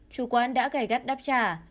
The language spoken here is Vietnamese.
chủ quán đã gài gắt đáp trả